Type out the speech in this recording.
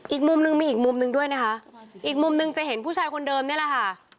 อีกมุมนึงมีอีกมุมหนึ่งด้วยนะคะอีกมุมหนึ่งจะเห็นผู้ชายคนเดิมนี่แหละค่ะ